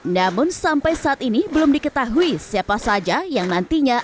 namun sampai saat ini belum diketahui siapa saja yang nantinya